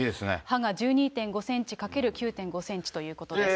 刃が１２．５センチ×９．５センチということです。